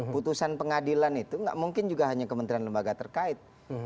putusan pengadilan itu nggak mungkin juga hanya kementerian lembaga terkait